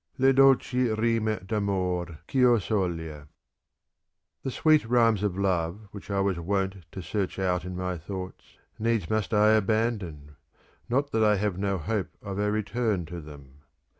[Le dolci rime d'amor, chHo so/ta.] The sweet rhymes of love which I was wont to search out in my thoughts, needs must I abandon ; not that I have no hope of a return to them.